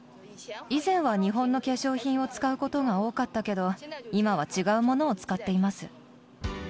以前は日本の化粧品を使うことが多かったけど、今は違うものを使っています。